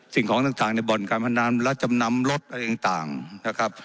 สิ่งของต่างต่างในบ่อนการพันธนาคมรัฐจำนำรถอะไรต่างต่างนะครับ